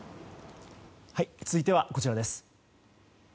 続いては、こちらです。